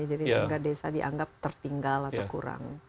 jadi sehingga desa dianggap tertinggal atau kurang